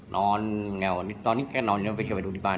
ตอนนี้แกคงนอนอีกตั้งแต่ขอพี่เจอไปดูบ้าน